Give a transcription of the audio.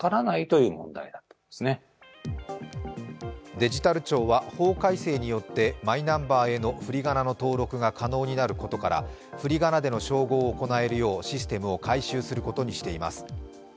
デジタル庁は法改正によってマイナンバーへのふりがなの登録が可能になることから、ふりがなでの照合を行えるようシステムを改修することにしています。